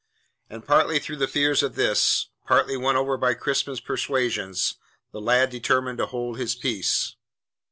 And partly through the fear of this, partly won over by Crispin's persuasions, the lad determined to hold his peace.